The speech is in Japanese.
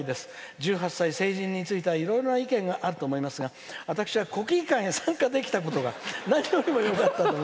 １８歳、成人についてはいろいろな意見があると思いますが私は国技館に参加できたことが何よりもよかったと。